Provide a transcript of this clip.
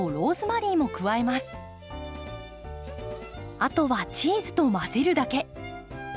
あとはチーズと混ぜるだけ。